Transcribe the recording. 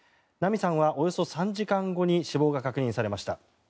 菜美さんはおよそ３時間後に死亡が確認されました。